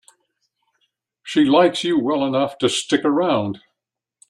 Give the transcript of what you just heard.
She likes you well enough to stick around.